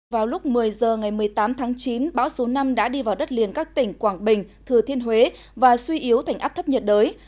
vào lúc một mươi h ngày một mươi tám tháng chín bão số năm đã đi vào đất liền các tỉnh quảng bình thừa thiên huế và suy yếu thành áp thấp nhiệt đới